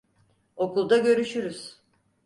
Okulda görüşürüz.